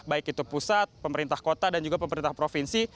baik itu pusat pemerintah kota dan juga pemerintah provinsi